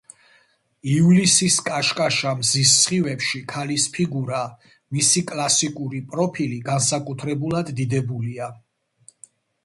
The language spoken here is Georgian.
ივლისის კაშკაშა მზის სხივებში ქალის ფიგურა, მისი კლასიკური პროფილი განსაკუთრებულად დიდებულია.